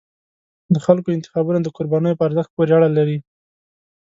د خلکو انتخابونه د قربانیو په ارزښت پورې اړه لري